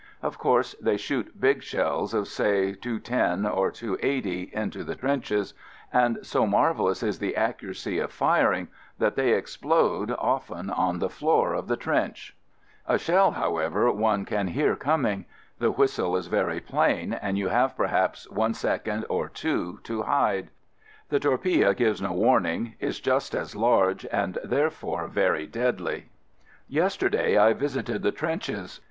Of course they shoot big shells of say "210" or "280" into the trenches, and so mar velous is the accuracy of firing that they explode often on the floor of the trench. FIELD SERVICE 7 33 A shell, however, one can hear coming. The whistle is very plain, and you have perhaps one second or two to hide. The torpille gives no warning, is just as large, and, therefore, very deadly. Yesterday I visited the trenches.